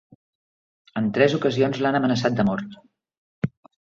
En tres ocasions l'han amenaçat de mort.